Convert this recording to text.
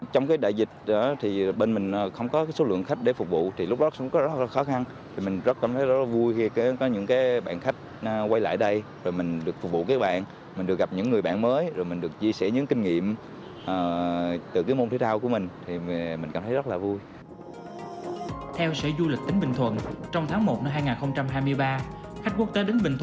theo sở du lịch tính bình thuận trong tháng một năm hai nghìn hai mươi ba khách quốc tế đến bình thuận ước đạt gần hai mươi bốn lượt